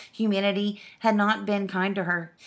Humanity had not been kind to her.